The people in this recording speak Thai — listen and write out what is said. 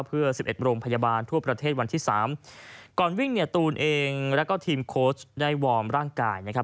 เพื่อสิบเอ็ดโรงพยาบาลทั่วประเทศวันที่สามก่อนวิ่งเนี่ยตูนเองแล้วก็ทีมโค้ชได้วอร์มร่างกายนะครับ